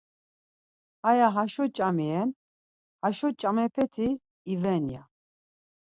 Haya haşo ç̌ami ren, haşo ç̌amepeti iven ya.